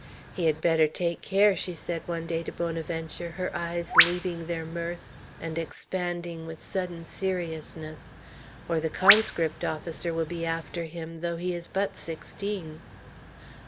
"He had better take care," she said one day to Bonaventure, her eyes leaving their mirth and expanding with sudden seriousness, "or the conscript officer will be after him, though he is but sixteen."